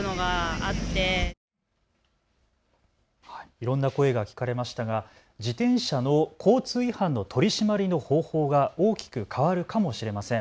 いろんな声が聞かれましたが自転車の交通違反の取締りの方法が大きく変わるかもしれません。